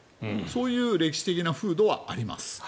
そういう歴史的な風土はあります。